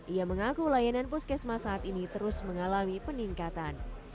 ia mengaku layanan puskesmas saat ini terus mengalami peningkatan